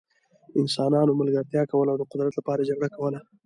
انسانانو ملګرتیا کوله او د قدرت لپاره یې جګړه کوله.